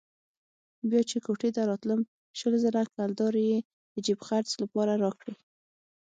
بيا چې کوټې ته راتلم شل زره کلدارې يې د جېب خرڅ لپاره راکړې.